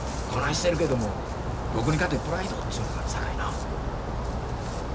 こないしてるけども僕にかてプライドちゅうのがあるさかいな。